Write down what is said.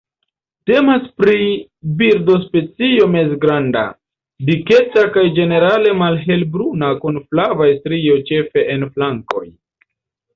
Temas pri birdospecio mezgranda, diketa kaj ĝenerale malhelbruna kun flavaj strioj ĉefe en flankoj.